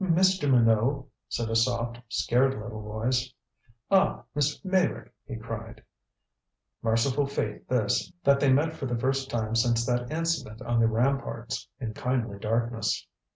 "Mr. Minot," said a soft, scared little voice. "Ah Miss Meyrick," he cried. Merciful fate this, that they met for the first time since that incident on the ramparts in kindly darkness.